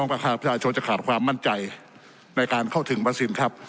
ประชาชนจะขาดความมั่นใจในการเข้าถึงวัคซีนครับ